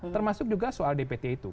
termasuk juga soal dpt itu